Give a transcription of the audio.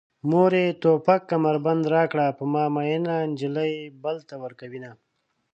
مورې توپک کمربند راکړه په ما مينه نجلۍ بل ته ورکوينه